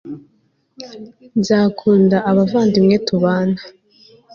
nzakunda abavandimwe tubana